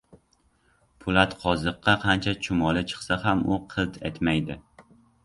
• Po‘lat qoziqqa qancha chumoli chiqsa ham u qilt etmaydi.